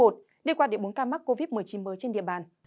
đề qua địa bốn ca mắc covid một mươi chín mới trên địa bàn